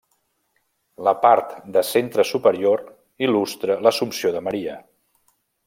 La part de centre superior il·lustra l'Assumpció de Maria.